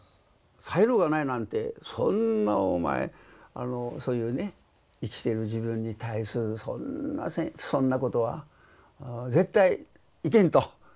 才能がないなんてそんなお前そういうね生きている自分に対するそんなことは絶対いけんと。